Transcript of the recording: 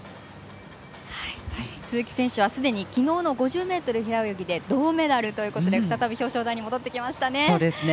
鈴木選手はすでに昨日の５０ｍ平泳ぎで銅メダルということで再び表彰台に戻ってきましたね。